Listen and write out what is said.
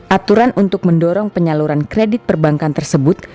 aturan untuk mendorong penyaluran kredit perbankan tersebut